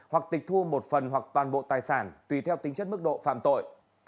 hoặc tịch thu một phần hoặc toàn bộ tài sản tùy theo tính chất mức độ phạm tội